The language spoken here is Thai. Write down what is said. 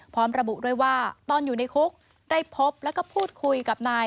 พร้อมระบุด้วยว่าตอนอยู่ในคุกได้พบแล้วก็พูดคุยกับนาย